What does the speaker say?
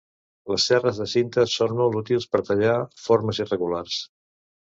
Les serres de cinta són molt útils per tallar formes irregulars.